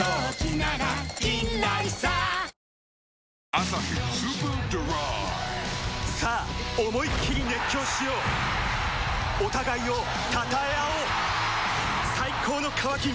「アサヒスーパードライ」さあ思いっきり熱狂しようお互いを称え合おう最高の渇きにＤＲＹ